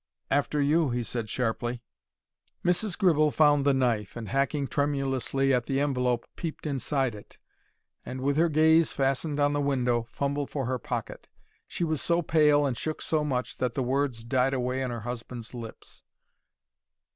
"After you," he said sharply. Mrs. Gribble found the knife, and, hacking tremulously at the envelope, peeped inside it and, with her gaze fastened on the window, fumbled for her pocket. She was so pale and shook so much that the words died away on her husband's lips.